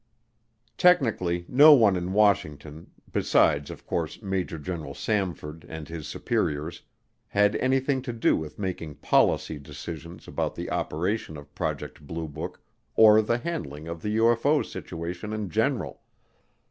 Technically no one in Washington, besides, of course, Major General Samford and his superiors, had anything to do with making policy decisions about the operation of Project Blue Book or the handling of the UFO situation in general.